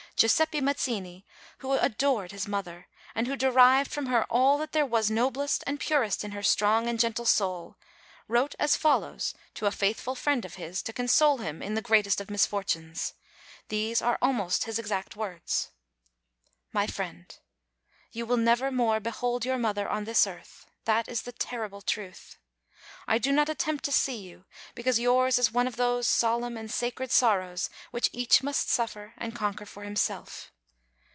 Giuseppe Mazzini, who adored his mother, and who derived from her all that there was noblest and purest in her strong and gentle soul, wrote as follows to a faithful friend of his, to console him in the greatest of misfortunes. These are almost his exact words :" 'My friend, you will never more behold your mother on this earth. That is the terrible truth. I do not attempt to see you, because yours is one of those solemn and sacred sorrows which each must suffer and conquer for himself.